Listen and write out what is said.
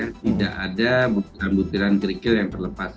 tidak ada butiran butiran kerikil yang terlepas